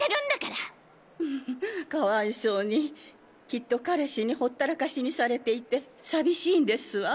きっと彼氏にほったらかしにされていて寂しいんですわ。